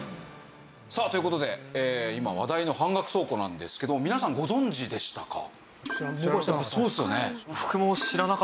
さあという事で今話題の半額倉庫なんですけど皆さんご存じでしたか？